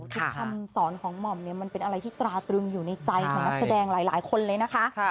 คือคำสอนของหม่อมเนี่ยมันเป็นอะไรที่ตราตรึงอยู่ในใจของนักแสดงหลายคนเลยนะคะ